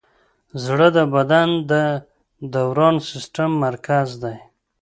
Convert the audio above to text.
زړه د بدن د دوران سیسټم مرکز دی.